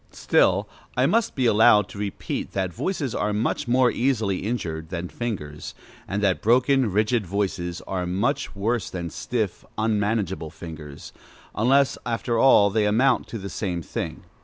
Still, I must be allowed to repeat that voices are much more easily injured than fingers; and that broken, rigid voices are much worse than stiff, unmanageable fingers, unless, after all, they amount to the same thing.